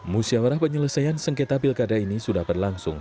musyawarah penyelesaian sengketa pilkada ini sudah berlangsung